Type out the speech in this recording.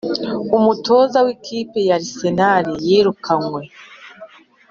Umutoza wikipe ya arsenal yirukanwe